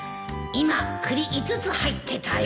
今栗５つ入ってたよ